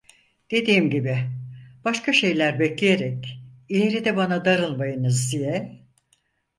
Dediğim gibi, başka şeyler bekleyerek ileride bana darılmayınız diye…